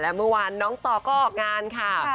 เมื่อวานน้องต่อก็ออกงานค่ะ